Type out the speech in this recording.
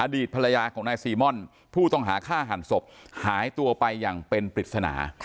ดีตภรรยาของนายซีม่อนผู้ต้องหาฆ่าหันศพหายตัวไปอย่างเป็นปริศนา